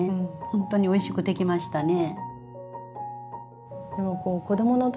ほんとにおいしくできましたね。